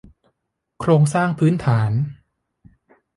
โครงสร้างพื้นฐาน